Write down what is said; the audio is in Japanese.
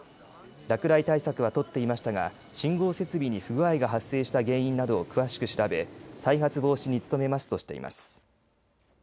落雷対策は取っていましたが信号設備に不具合が発生した原因などを詳しく調べ、再発防止に努めますとしています。